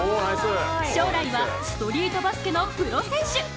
将来はストリートバスケのプロ選手！